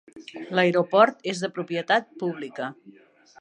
L'aeroport és de propietat pública.